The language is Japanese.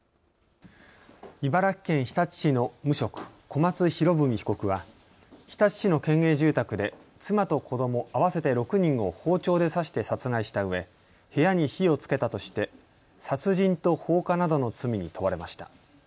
茨城県日立市の無職、小松博文被告は日立市の県営住宅で妻と子ども合わせて６人を包丁で刺して殺害したうえ部屋に火をつけたとして殺人と放火などの罪に問われました。